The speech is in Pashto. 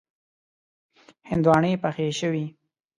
هندواڼی پخې شوې.